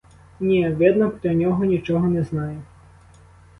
Ні, видно, про нього нічого не знає.